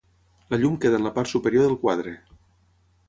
La llum queda en la part superior del quadre.